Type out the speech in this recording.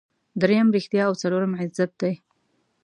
دریم ریښتیا او څلورم عزت دی.